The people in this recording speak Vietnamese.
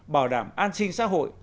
bảo đảm an sinh xã hội